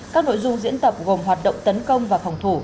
các nội dung diễn tập gồm hoạt động tấn công và phòng thủ